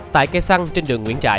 tại cây xăng trên đường nguyễn trãi